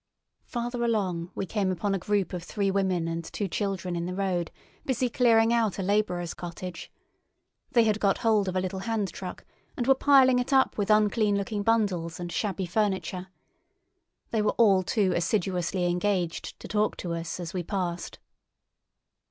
Farther along we came upon a group of three women and two children in the road, busy clearing out a labourer's cottage. They had got hold of a little hand truck, and were piling it up with unclean looking bundles and shabby furniture. They were all too assiduously engaged to talk to us as we passed.